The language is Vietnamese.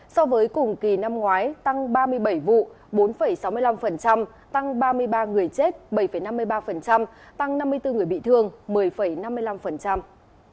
so với cùng kỳ năm ngoái tăng ba mươi bảy vụ bốn sáu mươi năm tăng ba mươi ba người chết bảy năm mươi ba tăng năm mươi bốn người bị thương một mươi năm mươi năm